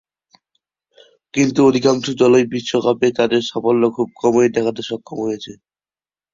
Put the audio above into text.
কিন্তু অধিকাংশ দলই বিশ্বকাপে তাদের সাফল্য খুব কমই দেখাতে সক্ষম হয়েছে।